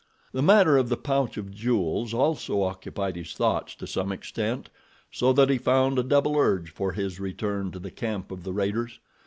The matter of the pouch of jewels also occupied his thoughts to some extent, so that he found a double urge for his return to the camp of the raiders.